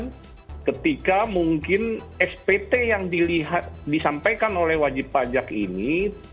dan ketika mungkin spt yang disampaikan oleh wajib pajak ini